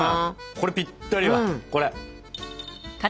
これぴったりだこれ。